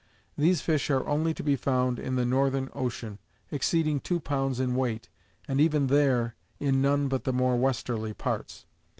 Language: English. These fish are only to be found in the Xorthem Ckean. ^ exceeding two pounds in weight, and even there in none but the more westerly parts.